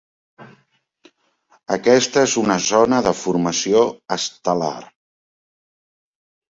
Aquesta és una zona de formació estel·lar.